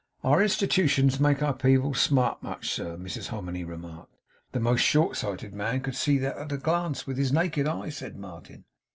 'Our institutions make our people smart much, sir,' Mrs Hominy remarked. 'The most short sighted man could see that at a glance, with his naked eye,' said Martin.